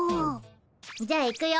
じゃあ行くよ。